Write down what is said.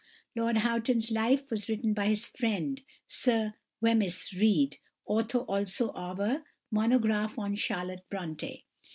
Lord Houghton's life was written by his friend, Sir Wemyss Reid, author also of a "Monograph on Charlotte Brontë."